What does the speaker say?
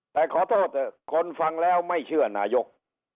แต่ขอโทษเถอะคนฟังแล้วไม่เชื่อนายก